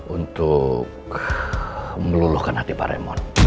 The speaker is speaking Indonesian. untuk meluluhkan hati pak raymond